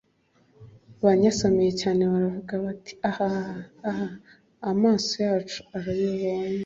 Banyasamiye cyane, baravuga bati”ahaa, ahaa amaso yacu arabibonye”